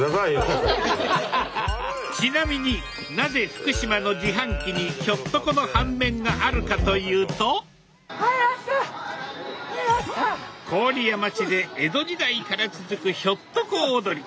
ちなみになぜ福島の自販機にひょっとこの半面があるかというと郡山市で江戸時代から続くひょっとこ踊り。